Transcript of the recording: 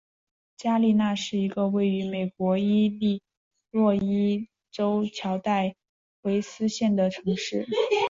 加利纳是一个位于美国伊利诺伊州乔戴维斯县的城市。